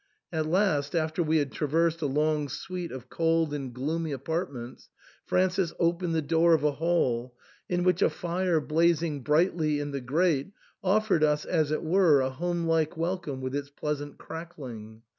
At last, after we had traversed a long suite of cold and gloomy apartments, Francis opened the door of a hall in which a fire blazing brightly in the grate offered us as it were a home like welcome with its pleasant crackling.